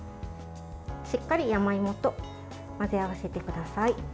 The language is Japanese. しっかり山芋と混ぜ合わせてください。